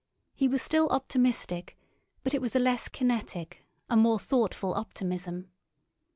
He was still optimistic, but it was a less kinetic, a more thoughtful optimism.